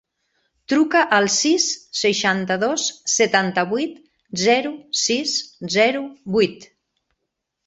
Truca al sis, seixanta-dos, setanta-vuit, zero, sis, zero, vuit.